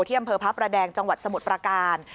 เที่ยมเพอพระแดงจังหวัดสมุดประการ